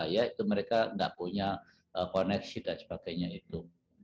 yaitu mereka tidak punya koneksi dan sebagainya itu